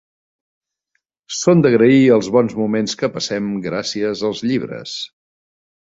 Són d'agrair els bons moments que passem gràcies als llibres.